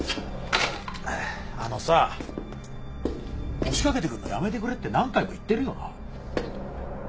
あのさ押し掛けてくるのやめてくれって何回も言ってるよな。